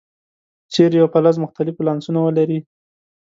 که چیرې یو فلز مختلف ولانسونه ولري.